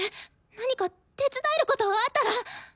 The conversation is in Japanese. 何か手伝えることあったら。